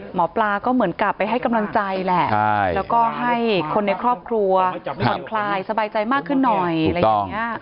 หมอปลาก็เหมือนกับไปให้กำลังใจแหละแล้วก็ให้คนในครอบครัวผ่อนคลายสบายใจมากขึ้นหน่อยอะไรอย่างนี้